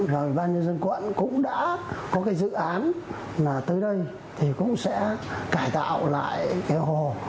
và ủy ban nhân dân quận cũng đã có cái dự án là tới đây thì cũng sẽ cải tạo lại cái hồ